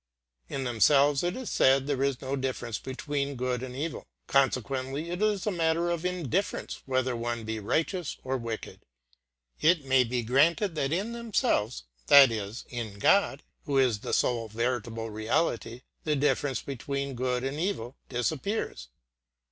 In themselves, it is said there is no difference between good and evil; consequently it is a matter of indifference whether one be righteous or wicked. It may be granted that in themselves that is, in God, who is the sole veritable reality the difference between good and evil disappears.